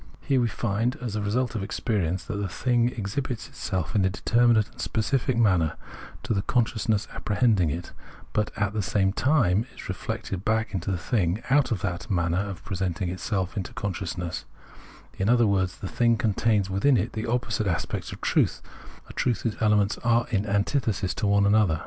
Here we find, as a result of experience, that the thing exhibits itself, in a determinate and specific manner, to the consciousness apprehending it, but at the same time is reflected back into itself out of that manner of presenting itself to consciousness ; in other words, the thing contains within it opposite aspects of truth, a truth whose elements are in antithesis to one another.